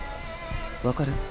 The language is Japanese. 分かる？